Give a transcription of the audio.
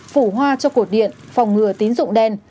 phủ hoa cho cổ điện phòng ngừa tín rụng đen